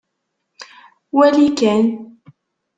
Wali kan.